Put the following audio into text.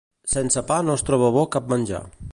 Sense pa no es troba bo cap menjar.